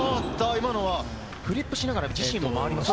今のはフリップしながら回りました。